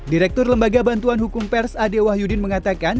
direktur lembaga bantuan hukum pers ade wahyudin mengatakan